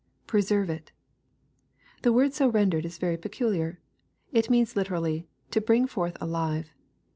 [Preserve it] The word so rendered is very peculiar. It means literally, " to bring forth alive."